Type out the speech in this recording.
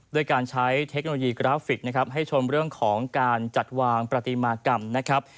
ด้วยการใช้เทคโนโลยีกราฟิกนะครับให้ชมเรื่องของการจัดวางประติมากรรมนะครับ